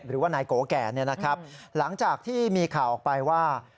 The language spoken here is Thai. หรือว่านายโกแก่หลังจากที่มีข่าวออกไปว่า